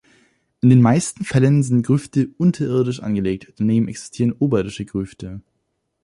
In den meisten Fällen sind Grüfte unterirdisch angelegt, daneben existieren oberirdische Grüfte.